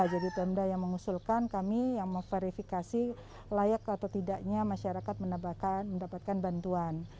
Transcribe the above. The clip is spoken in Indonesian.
jadi penda yang mengusulkan kami yang memverifikasi layak atau tidaknya masyarakat mendapatkan bantuan